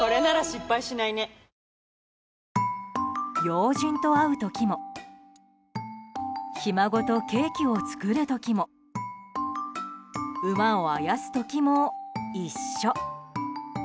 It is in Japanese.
要人と会う時もひ孫とケーキを作る時も馬をあやす時も一緒。